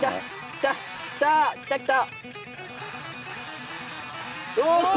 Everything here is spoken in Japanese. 来た！来た来た！来た！